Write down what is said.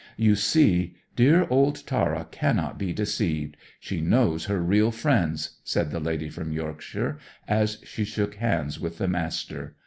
"You see, dear old Tara cannot be deceived; she knows her real friends," said the lady from Yorkshire, as she shook hands with the Master.